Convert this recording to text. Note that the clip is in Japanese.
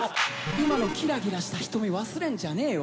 今のキラキラした瞳忘れんじゃねえよ